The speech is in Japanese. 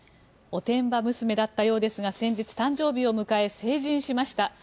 おてんば娘だったようですが先日、誕生日を迎え成人しました。